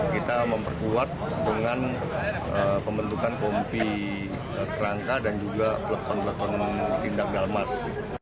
kita memperkuat dengan pembentukan kompi rangka dan juga peletun peletun tindak dalmas